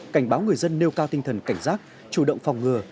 cảnh báo người dân nêu cao tinh thần cảnh giác chủ động phòng ngừa